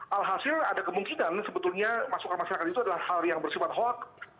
alhasil ada kemungkinan sebetulnya masukan masyarakat itu adalah hal yang bersifat hoax